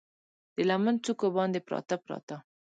د لمن څوکو باندې، پراته، پراته